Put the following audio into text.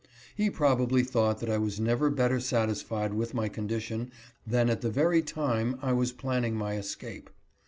He probably thought that I was never better satisfied with my condition than at the very time I was planning my escape.